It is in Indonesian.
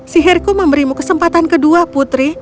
sihirku memberimu kesempatan kedua putri